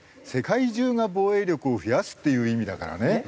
世界中が防衛力を増やすっていう意味だからね。